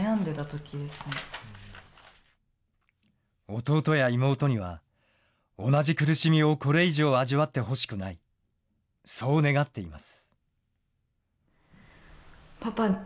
弟や妹には、同じ苦しみをこれ以上味わってほしくない、そう願っています。